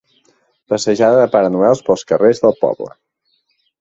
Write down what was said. Passejada de Pare Noels pels carrers del poble.